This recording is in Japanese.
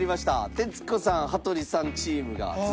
徹子さん羽鳥さんチームが続いて。